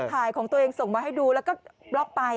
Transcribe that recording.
ของตัวเองส่งมาให้ดูแล้วก็บล็อกไป